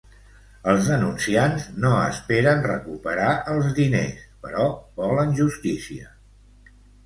Els denunciants no esperen recuperar els diners, però volen justícia.